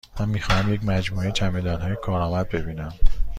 من می خواهم یک مجموعه چمدانهای کارآمد ببینم.